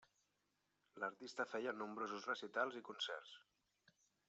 L'artista feia nombrosos recitals i concerts.